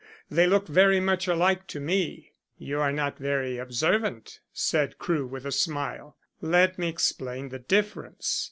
They look very much alike to me." "You are not very observant," said Crewe, with a smile. "Let me explain the difference.